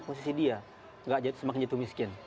posisi dia nggak semakin jatuh miskin